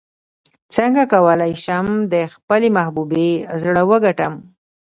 څنګه کولی شم د خپلې محبوبې زړه وګټم